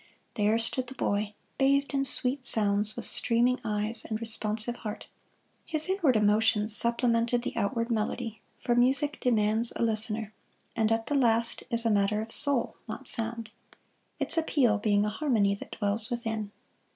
There stood the boy bathed in sweet sounds, with streaming eyes and responsive heart. His inward emotions supplemented the outward melody, for music demands a listener, and at the last is a matter of soul, not sound: its appeal being a harmony that dwells within.